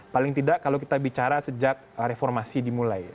paling tidak kalau kita bicara sejak reformasi dimulai